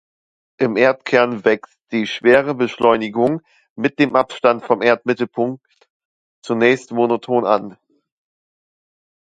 Im Erdkern wächst die Schwerebeschleunigung mit dem Abstand vom Erdmittelpunkt zunächst monoton an.